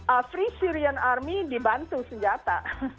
afri syrian army dibantu senjata